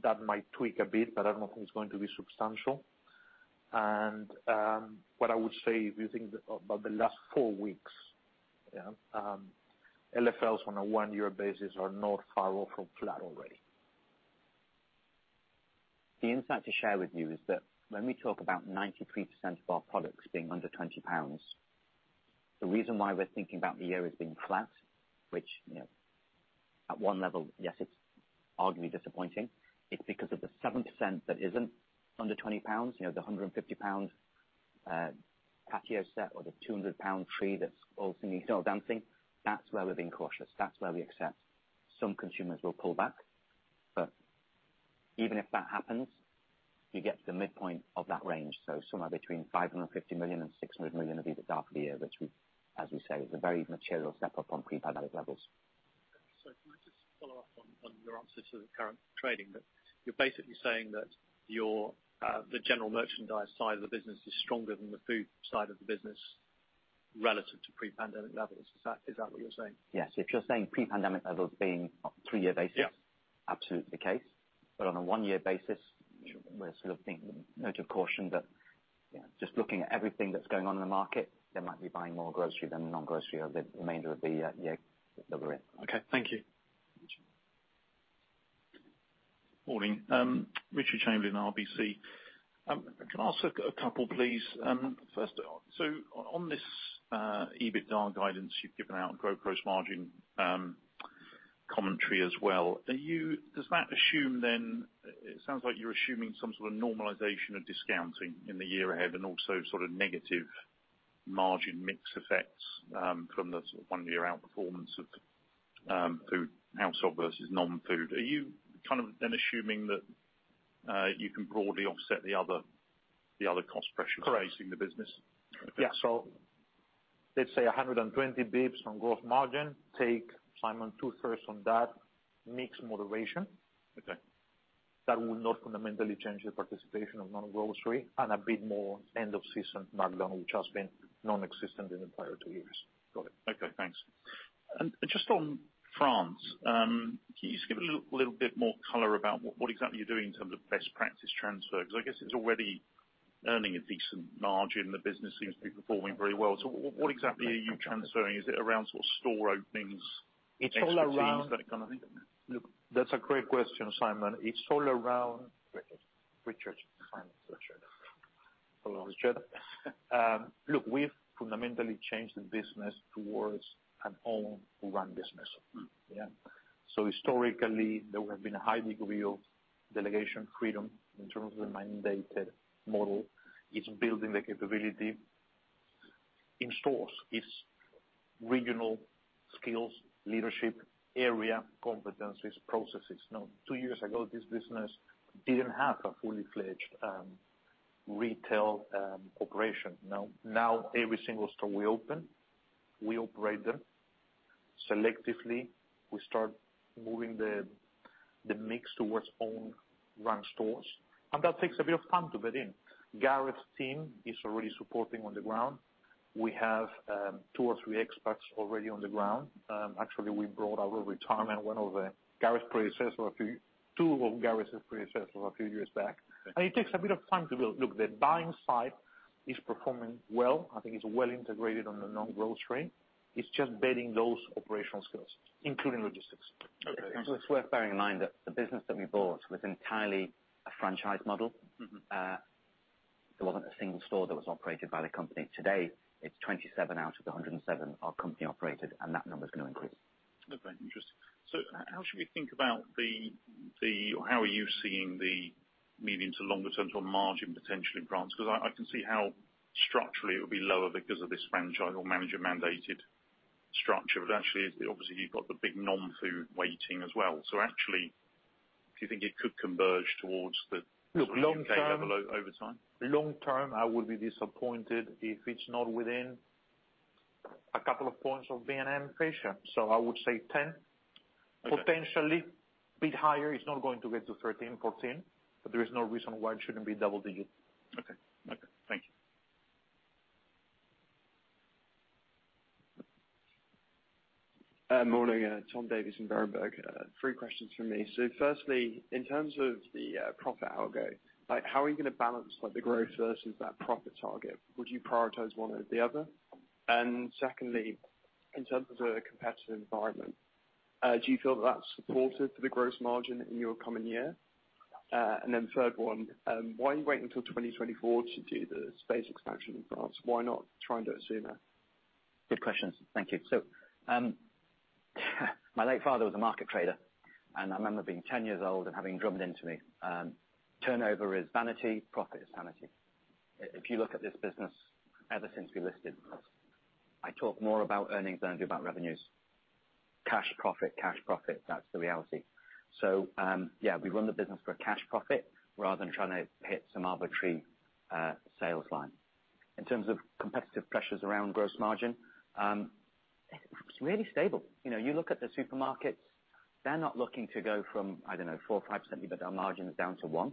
That might tweak a bit, but I don't think it's going to be substantial. What I would say, if you think about the last four weeks, yeah, LFLs on a one-year basis are not far off from flat already. The insight to share with you is that when we talk about 93% of our products being under 20 pounds, the reason why we're thinking about the year as being flat, which, you know, at one level, yes, it's arguably disappointing, it's because of the 7% that isn't under 20 pounds. You know, the 150 pounds patio set or the 200 pound tree that's ultimately still dancing, that's where we're being cautious. That's where we accept some consumers will pull back. Even if that happens, you get to the midpoint of that range, so somewhere between 550 million and 600 million of EBITDA for the year, which we, as we say, is a very material step up from pre-pandemic levels. Can I just follow up on your answer to the current trading, that you're basically saying that your the general merchandise side of the business is stronger than the food side of the business relative to pre-pandemic levels. Is that what you're saying? Yes. If you're saying pre-pandemic levels being on a three-year basis. Yeah Absolutely the case. On a one-year basis, we're sort of being a note of caution. Yeah, just looking at everything that's going on in the market, they might be buying more grocery than non-grocery for the remainder of the year that we're in. Okay. Thank you. Sure. Morning. Richard Chamberlain, RBC. Can I ask a couple, please? First, on this, EBITDA guidance you've given out gross margin, commentary as well, are you? Does that assume then, it sounds like you're assuming some sort of normalization of discounting in the year ahead and also sort of negative margin mix effects, from the one-year outperformance of, food and household versus non-food. Are you kind of then assuming that, you can broadly offset the other cost pressures. Correct Facing the business? Yeah. Let's say 120 basis points from gross margin. Take Simon two-thirds on that mix moderation. Okay. That will not fundamentally change the participation of non-grocery and a bit more end of season markdown, which has been nonexistent in the prior two years. Got it. Okay, thanks. Just on France, can you just give a little bit more color about what exactly you're doing in terms of best practice transfer? Because I guess it's already earning a decent margin. The business seems to be performing very well. So what exactly are you transferring? Is it around sort of store openings? It's all around. Look. That's a great question, Simon. It's all around. Richard. Richard. Simon. Richard. Look, we've fundamentally changed the business towards an own run business. Yeah. Historically, there has been a high degree of delegation freedom in terms of the mandated model. It's building the capability in stores. It's regional skills, leadership, area competencies, processes. Now, two years ago, this business didn't have a fully fledged retail operation. Now every single store we open, we operate them selectively. We start moving the mix towards own run stores, and that takes a bit of time to bed in. Gareth's team is already supporting on the ground. We have two or three experts already on the ground. Actually, we brought out of retirement two of Gareth's predecessors a few years back. Okay. It takes a bit of time to build. Look, the buying side is performing well. I think it's well integrated on the non-grocery. It's just bedding those operational skills, including logistics. Okay. It's worth bearing in mind that the business that we bought was entirely a franchise model. Mm-hmm. There wasn't a single store that was operated by the company. Today, it's 27 out of the 107 are company operated, and that number's gonna increase. Okay. Interesting. How are you seeing the medium to longer term sort of margin potential in France? Because I can see how structurally it will be lower because of this franchise or manager mandated structure. But actually, obviously you've got the big non-food weighting as well. Actually, do you think it could converge towards the- Look, long term. over time? Long-term, I would be disappointed if it's not within a couple of points of B&M, Richard. I would say 10%. Okay. Potentially a bit higher. It's not going to get to 13%-14%, but there is no reason why it shouldn't be double-digit. Okay. Thank you. Morning. Tom Davies in Berenberg. Three questions from me. Firstly, in terms of the profit algo, like how are you gonna balance like the growth versus that profit target? Would you prioritize one over the other? Secondly, in terms of the competitive environment, do you feel that that's supportive for the gross margin in your coming year? Third one, why are you waiting until 2024 to do the space expansion in France? Why not try and do it sooner? Good questions. Thank you. My late father was a market trader, and I remember being 10 years old and having drummed into me, turnover is vanity, profit is sanity. If you look at this business ever since we listed, I talk more about earnings than I do about revenues. Cash profit, that's the reality. Yeah, we run the business for a cash profit rather than trying to hit some arbitrary sales line. In terms of competitive pressures around gross margin, it's really stable. You know, you look at the supermarkets, they're not looking to go from, I don't know, 4%-5% EBITDA margins down to 1%.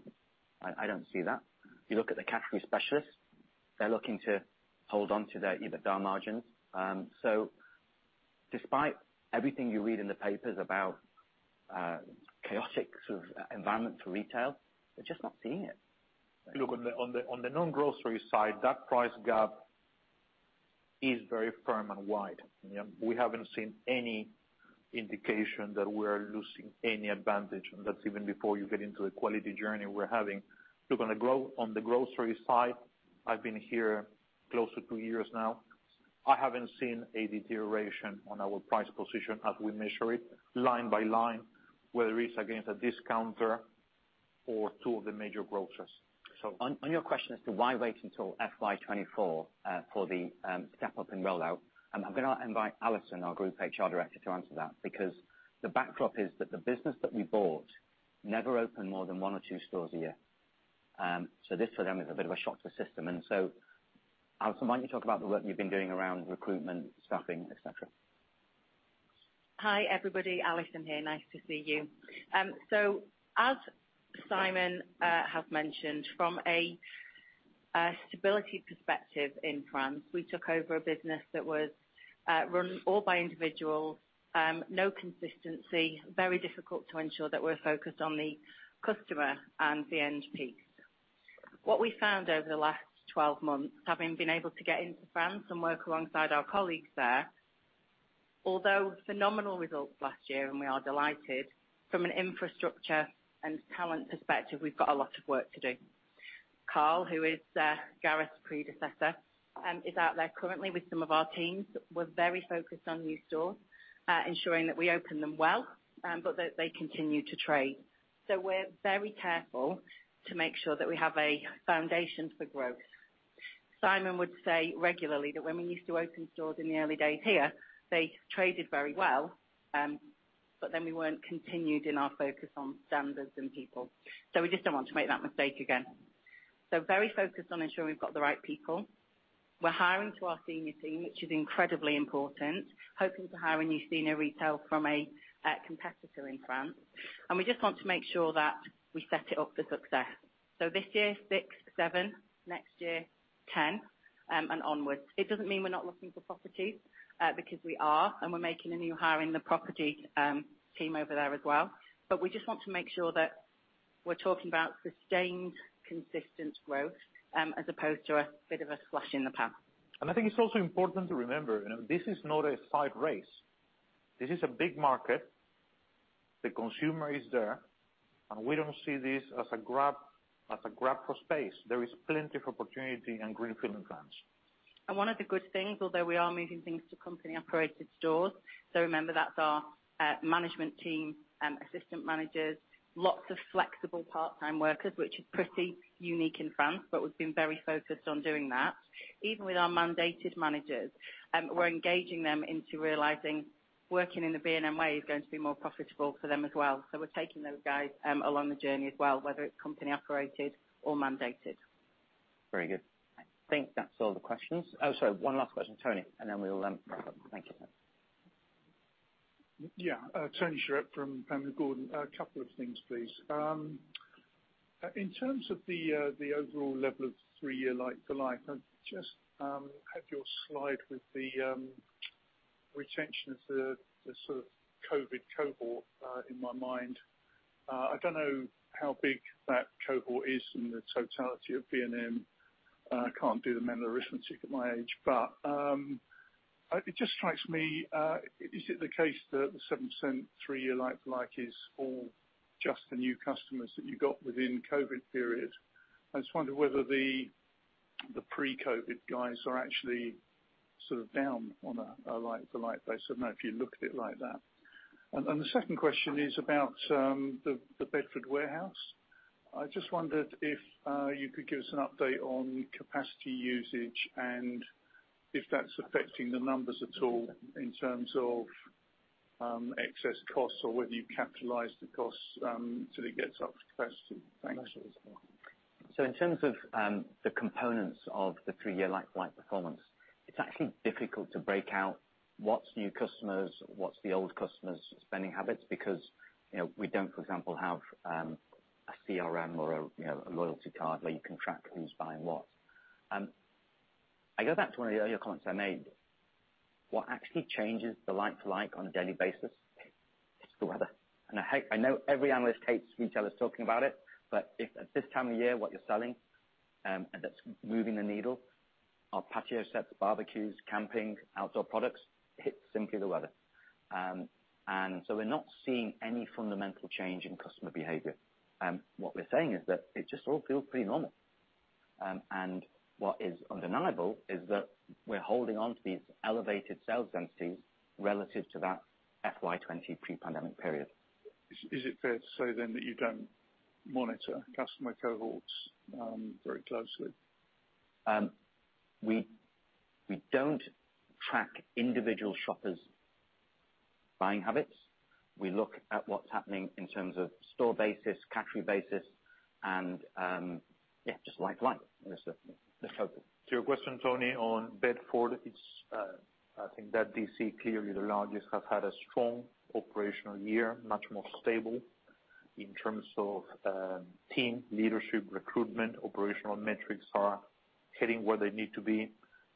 I don't see that. You look at the category specialists, they're looking to hold on to their EBITDA margins. Despite everything you read in the papers about a chaotic sort of environment for retail, we're just not seeing it. Look, on the non-grocery side, that price gap is very firm and wide. You know, we haven't seen any indication that we're losing any advantage, and that's even before you get into the quality journey we're having. Look, on the grocery side, I've been here close to two years now. I haven't seen a deterioration on our price position as we measure it line by line, whether it's against a discounter or two of the major grocers so. On your question as to why wait until FY 2024 for the step-up in rollout, I'm gonna invite Alison, our Group HR Director to answer that because the backdrop is that the business that we bought never opened more than one or two stores a year. This for them is a bit of a shock to the system. Alison, why don't you talk about the work you've been doing around recruitment, staffing, etc? Hi, everybody. Alison here. Nice to see you. As Simon has mentioned, from a stability perspective in France, we took over a business that was run by all individuals, no consistency, very difficult to ensure that we're focused on the customer and the endpoint. What we found over the last 12 months, having been able to get into France and work alongside our colleagues there, although phenomenal results last year, and we are delighted, from an infrastructure and talent perspective, we've got a lot of work to do. Carl, who is Gareth's predecessor, is out there currently with some of our teams. We're very focused on new stores, ensuring that we open them well, but that they continue to trade. We're very careful to make sure that we have a foundation for growth. Simon would say regularly that when we used to open stores in the early days here, they traded very well, but then we weren't continued in our focus on standards and people. We just don't want to make that mistake again. Very focused on ensuring we've got the right people. We're hiring to our senior team, which is incredibly important, hoping to hire a new senior retail from a competitor in France. We just want to make sure that we set it up for success. This year, six to seven, next year, 10, and onwards. It doesn't mean we're not looking for properties, because we are, and we're making a new hire in the property team over there as well. We just want to make sure that we're talking about sustained, consistent growth, as opposed to a bit of a splash in the pan. I think it's also important to remember, you know, this is not a side race. This is a big market. The consumer is there, and we don't see this as a grab for space. There is plenty of opportunity in greenfield in France. One of the good things, although we are moving things to company-operated stores, so remember that's our management team, assistant managers, lots of flexible part-time workers, which is pretty unique in France, but we've been very focused on doing that. Even with our mandated managers, we're engaging them into realizing working in the B&M way is going to be more profitable for them as well. We're taking those guys along the journey as well, whether it's company operated or mandated. Very good. I think that's all the questions. Oh, sorry, one last question, Tony, and then we will wrap up. Thank you. Yeah. Tony Shiret from Panmure Gordon. A couple of things, please. In terms of the overall level of three-year like-for-like, I just have your slide with the retention of the sort of COVID cohort in my mind. I don't know how big that cohort is in the totality of B&M. I can't do the mental arithmetic at my age, but it just strikes me, is it the case that the 7% three-year like-for-like is all just the new customers that you got within COVID period? I just wonder whether the pre-COVID guys are actually sort of down on a like-for-like basis, I don't know if you looked at it like that. The second question is about the Bedford warehouse. I just wondered if you could give us an update on capacity usage and if that's affecting the numbers at all in terms of excess costs or whether you capitalize the costs till it gets up to capacity. Thanks. In terms of the components of the three-year like-for-like performance, it's actually difficult to break out what's new customers, what's the old customers' spending habits, because, you know, we don't, for example, have a CRM or a, you know, a loyalty card where you can track who's buying what. I go back to one of the earlier comments I made. What actually changes the like-for-like on a daily basis is the weather. I know every analyst hates retailers talking about it, but if at this time of year, what you're selling and that's moving the needle are patio sets, barbecues, camping, outdoor products, it's simply the weather. We're not seeing any fundamental change in customer behavior. What we're saying is that it just all feels pretty normal. What is undeniable is that we're holding on to these elevated sales densities relative to that FY 2020 pre-pandemic period. Is it fair to say then that you don't monitor customer cohorts very closely? We don't track individual shoppers' buying habits. We look at what's happening in terms of store basis, category basis, and yeah, just LFL necessarily. To your question, Tony, on Bedford, it's, I think that DC clearly the largest, have had a strong operational year, much more stable in terms of, team leadership, recruitment. Operational metrics are heading where they need to be.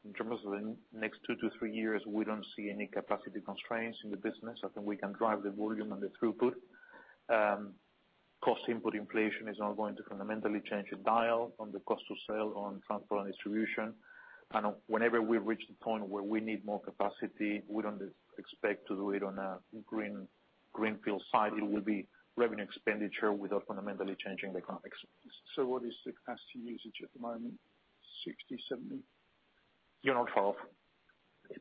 In terms of the next two to three years, we don't see any capacity constraints in the business. I think we can drive the volume and the throughput. Cost input inflation is not going to fundamentally change the dial on the cost of sale on transport and distribution. Whenever we reach the point where we need more capacity, we don't expect to do it on a greenfield site. It will be revenue expenditure without fundamentally changing the economics. What is the capacity usage at the moment? 60%-70%? You're on 12.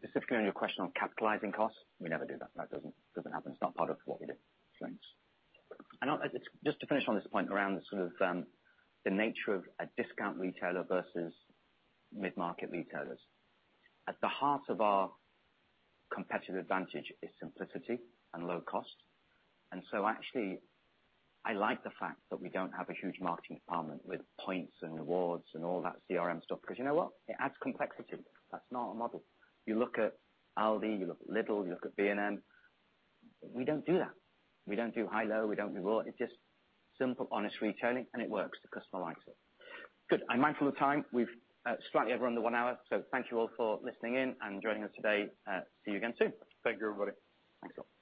Specifically on your question on capitalizing costs, we never do that. That doesn't happen. It's not part of what we do. Thanks. Just to finish on this point around the sort of, the nature of a discount retailer versus mid-market retailers. At the heart of our competitive advantage is simplicity and low cost. Actually I like the fact that we don't have a huge marketing department with points and rewards and all that CRM stuff, 'cause you know what? It adds complexity. That's not our model. You look at Aldi, you look at Lidl, you look at B&M. We don't do that. We don't do hi-lo, we don't do all. It's just simple, honest retailing, and it works. The customer likes it. Good. I'm mindful of time. We've slightly overrun the one hour. Thank you all for listening in and joining us today. See you again soon. Thank you, everybody. Thanks all.